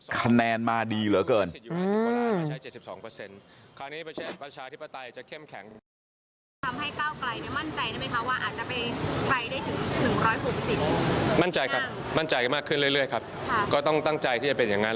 คะแนนมาดีเหลือเกิน